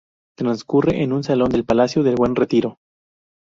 Transcurre en un salón del Palacio del Buen Retiro.